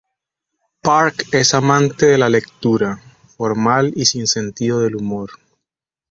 Park es amante de la lectura, formal y sin sentido del humor.